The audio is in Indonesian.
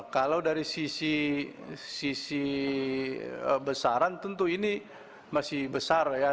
kalau dari sisi besaran tentu ini masih besar ya